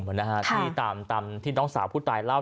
ตามที่น้องสาวพูดได้เล่าแต่ว่าไปประสบอุบัติเหตุทำงานในโรงงาน